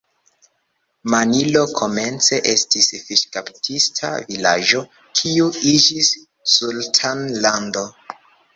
Manilo komence estis fiŝkaptista vilaĝo, kiu iĝis sultanlando.